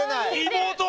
妹！